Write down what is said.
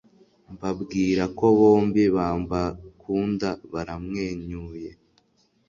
mbabwira ko bombi bambakunda baramwenyuye